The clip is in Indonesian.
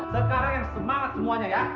sekarang yang semangat semuanya ya